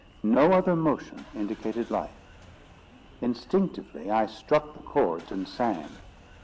No other motion indicated life. Instinctively I struck the chords and sang.